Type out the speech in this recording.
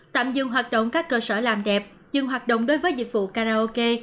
tạm dừng hoạt động các cơ sở làm đẹp dừng hoạt động đối với dịch vụ karaoke